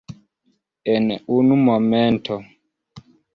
En unu momento.